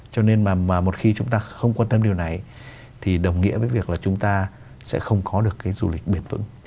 cho nên mà một khi chúng ta không quan tâm điều này thì đồng nghĩa với việc là chúng ta sẽ không có được cái du lịch bền vững